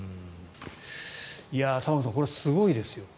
玉川さん、すごいですよ。